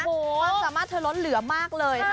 ความสามารถเธอล้นเหลือมากเลยค่ะ